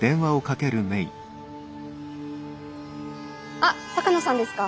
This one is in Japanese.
あっ鷹野さんですか？